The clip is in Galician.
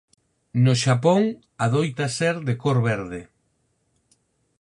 No Xapón adoita ser de cor verde.